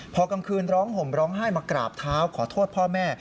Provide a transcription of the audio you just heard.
พอกลางคืนร้องห่มร้องไห้มากราบเท้าขอโทษพ่อแม่